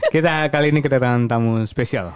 kita kali ini kedatangan tamu spesial